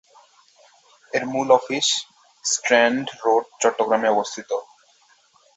এর মূল office Strand road, চট্টগ্রামে অবস্থিত।